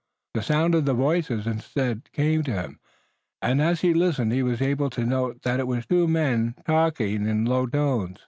The sound of voices instead came to him, and as he listened he was able to note that it was two men talking in low tones.